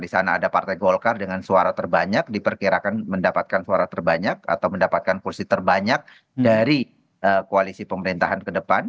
di sana ada partai golkar dengan suara terbanyak diperkirakan mendapatkan suara terbanyak atau mendapatkan kursi terbanyak dari koalisi pemerintahan ke depan